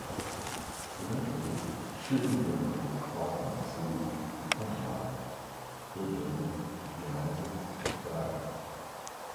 Eventually, children with Batten disease become blind, bedridden, demented, and die.